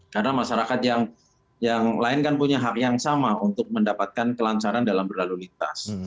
karena masyarakat yang lain kan punya hak yang sama untuk mendapatkan kelancaran dalam berlalu lintas